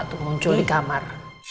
kecoak tuh muncul di kamar